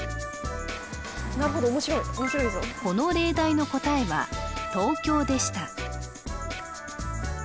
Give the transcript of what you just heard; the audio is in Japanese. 何か面白いこの例題の答えは東京でした